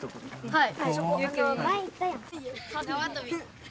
はい。